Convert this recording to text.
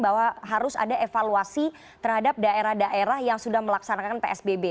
bahwa harus ada evaluasi terhadap daerah daerah yang sudah melaksanakan psbb